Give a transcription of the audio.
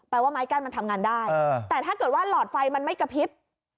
ว่าไม้กั้นมันทำงานได้แต่ถ้าเกิดว่าหลอดไฟมันไม่กระพริบ